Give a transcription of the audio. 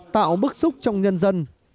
tạo bức xúc trong nhân dân